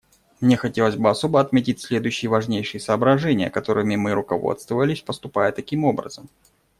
Мне хотелось бы особо отметить следующие важнейшие соображения, которыми мы руководствовались, поступая таким образом.